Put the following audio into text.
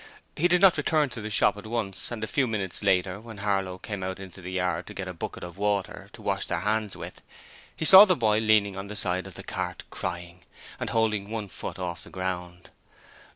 He did not return to the shop at once and a few minutes later when Harlow came out into the yard to get a bucket of water to wash their hands with, he saw the boy leaning on the side of the cart, crying, and holding one foot off the ground.